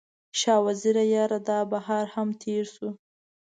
شاه وزیره یاره، دا بهار هم تیر شو